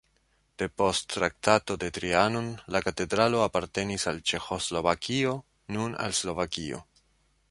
Depost Traktato de Trianon la katedralo apartenis al Ĉeĥoslovakio, nun al Slovakio.